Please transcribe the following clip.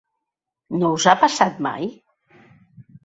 No us ha passat mai?